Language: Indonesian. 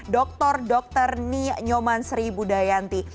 dr dr niyoman sri budayanti